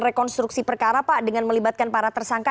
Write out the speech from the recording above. rekonstruksi perkara pak dengan melibatkan para tersangka